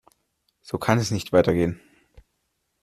So kann es nicht weitergehen.